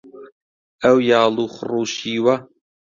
ئەو یاڵ و خڕ و شیوە